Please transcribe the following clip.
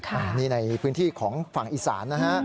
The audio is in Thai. อันนี้ในพื้นที่ของฝั่งอีสานนะฮะ